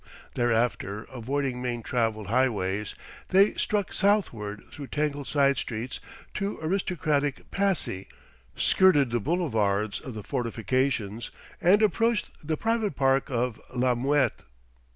Thereafter, avoiding main travelled highways, they struck southward through tangled side streets to aristocratic Passy, skirted the boulevards of the fortifications, and approached the private park of La Muette.